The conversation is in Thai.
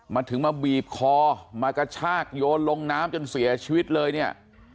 มาถึงมาบีบคอมากระชากโยนลงน้ำจนเสียชีวิตเลยเนี่ย